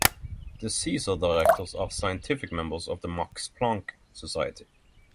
The caesar-directors are scientific members of the Max Planck Society.